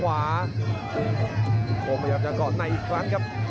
อามพยายามจะกลับในอีกครั้งครับ